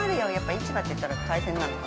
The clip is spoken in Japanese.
市場っていったら海鮮なのか。